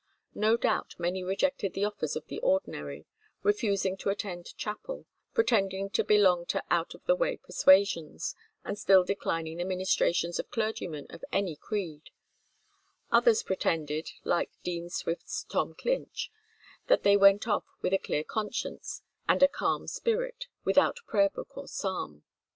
No doubt many rejected the offers of the ordinary, refusing to attend chapel, pretending to belong to out of the way persuasions, and still declining the ministrations of clergymen of any creed; others pretended, like Dean Swift's Tom Clinch, that they went off with a clear conscience and a calm spirit, without prayer book or psalm.